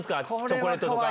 チョコレートとか。